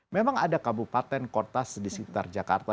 memang ada kabupaten kota sedisikitar jakarta